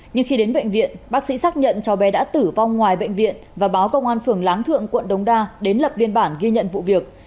nhưng khi đến bệnh viện bác sĩ xác nhận cháu bé đã tử vong ngoài bệnh viện và báo công an phường láng thượng quận đông đa đến lập biên bản ghi nhận vụ việc